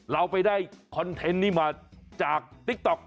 เราไปได้คอนเทนต์นี้มาจากติ๊กต๊อก